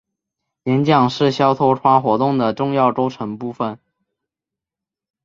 演讲是肖托夸活动的重要构成部分。